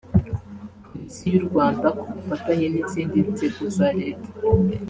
Polisi y’u Rwanda ku bufatanye n’izindi nzego za Leta